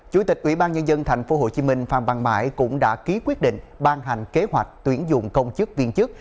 chủ tịch ubnd tp hcm phan văn mãi cũng đã ký quyết định ban hành kế hoạch tuyển dụng công chức viên chức